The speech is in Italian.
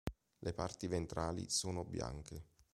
Le parti ventrali sono bianche.